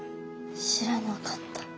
知らなかった。